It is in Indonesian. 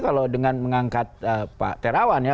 kalau dengan mengangkat pak terawan ya